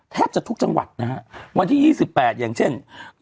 แทบจะทุกจังหวัดนะฮะวันที่๒๘อย่างเช่น